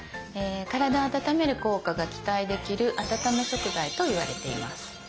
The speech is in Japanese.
体を温める効果が期待できる温め食材といわれています。